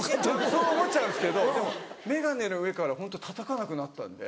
そう思っちゃうんですけどでもメガネの上からホントたたかなくなったんで。